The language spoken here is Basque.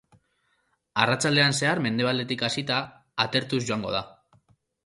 Arratsaldean zehar mendebaldetik hasita atertuz joango da.